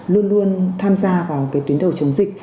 luôn luôn tham gia vào cái tuyến đầu chống dịch